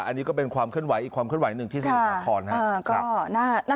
อันนี้ก็เป็นความเคลื่อนไหวอีกความเคลื่อนไหวหนึ่งที่สมุทรสาครครับ